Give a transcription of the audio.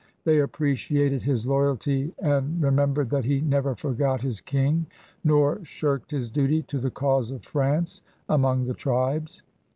They appreciated his loyalty and remem bered that he never forgot his King, nor shirked his duty to the cause of France among the tribes.